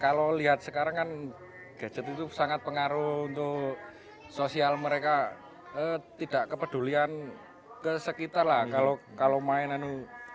kalau lihat sekarang kan gadget itu sangat pengaruh untuk sosial mereka tidak kepedulian ke sekitar lah kalau mainan